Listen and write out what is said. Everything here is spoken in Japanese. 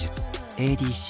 ＡＤＣ